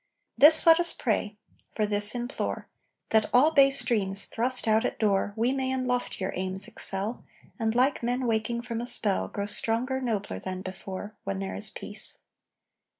This let us pray for, this implore: That, all base dreams thrust out at door, We may in loftier aims excel And, like men waking from a spell, Grow stronger, nobler, than before, When there is Peace.